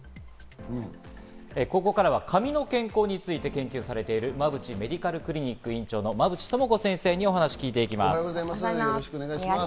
ここからは髪の健康について研究されているマブチメディカルクリニック院長の馬渕知子先生によろしくお願いします。